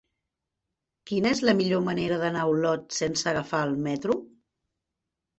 Quina és la millor manera d'anar a Olot sense agafar el metro?